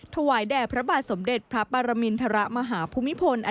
ถวายแด่พระบาทสมเด็จพระปรากมิณฐรมหาภุมิพนธ์อดุลยเดช